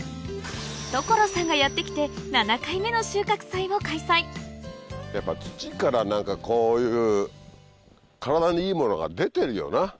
所さんがやって来てやっぱ土から何かこういう体にいいものが出てるよな。